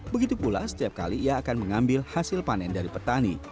begitu pula setiap kali ia akan mengambil hasil panen dari petani